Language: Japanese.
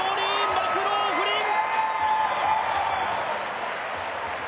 マクローフリン